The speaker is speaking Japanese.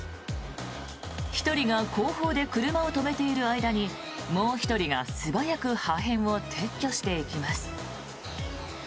１人が後方で車を止めている間にもう１人が素早く破片を撤去していきます。